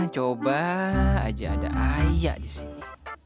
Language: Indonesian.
coba aja ada ayah disini